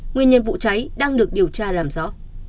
nguyên nhân vụ cháy đang được điều tra làm rõ